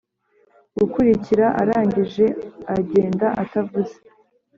gikurikira arangije agenda atavuze